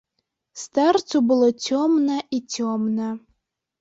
Старцу было цёмна і цёмна.